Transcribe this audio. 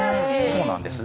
そうなんです。